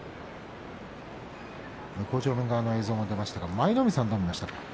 向正面側の映像も出ましたが舞の海さん、どうでしたか。